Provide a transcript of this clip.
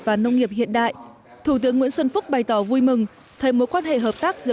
và nông nghiệp hiện đại thủ tướng nguyễn xuân phúc bày tỏ vui mừng thấy mối quan hệ hợp tác giữa